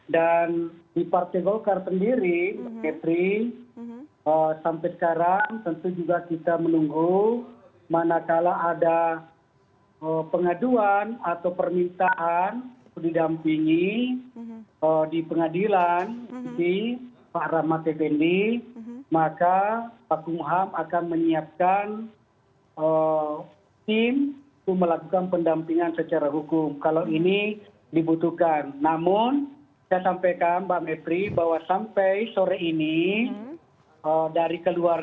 dan di partai golkar sendiri mbak mepri sampai sekarang tentu juga kita menunggu manakala ada pengaduan atau permintaan pendidam pinggi di pengadilan di para rahmat effendi